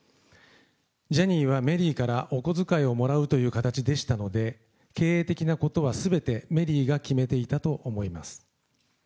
ジャニーはメリーからお小遣いをもらうという形でしたので、経営的なことはすべてメリーが決めていたと思います。